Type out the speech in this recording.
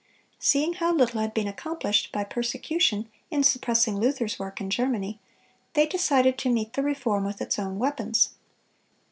Seeing how little had been accomplished by persecution in suppressing Luther's work in Germany, they decided to meet the reform with its own weapons.